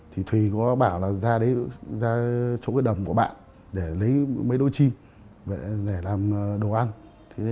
thì thủy có bảo là ra chỗ cái đầm của bạn để lấy mấy đôi chim để làm đồ ăn